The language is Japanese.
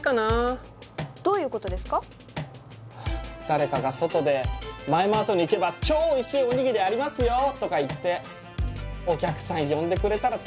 誰かが外でマエマートに行けば超おいしいおにぎりありますよとか言ってお客さん呼んでくれたら助かるのにな。